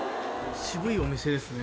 渋いお店ですね。